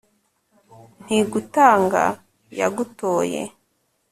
ntigutanga yagutoye